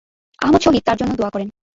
আহমদ শহীদ তার জন্য দোয়া করেন।